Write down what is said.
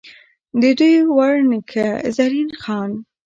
ددوي ور نيکۀ، زرين خان ،